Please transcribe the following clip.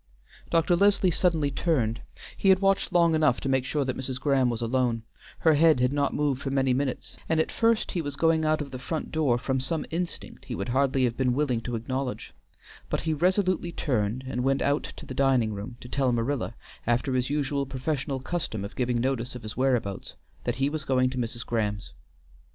Dr. Leslie suddenly turned; he had watched long enough to make sure that Mrs. Graham was alone; her head had not moved for many minutes; and at first he was going out of the front door, from some instinct he would hardly have been willing to acknowledge, but he resolutely turned and went out to the dining room, to tell Marilla, after his usual professional custom of giving notice of his whereabouts, that he was going to Mrs. Graham's.